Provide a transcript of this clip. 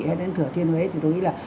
hay đến thừa thiên huế thì tôi nghĩ là